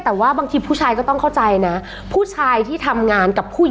แต่ว่าบางทีผู้ชายก็ต้องเข้าใจนะ